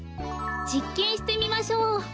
じっけんしてみましょう。